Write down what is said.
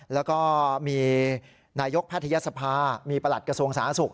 แล้วก็มีนายกแพทยศภามีประหลัดกระทรวงสาธารณสุข